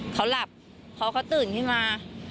เขาหลับเพราะเขาตื่นขึ้นมา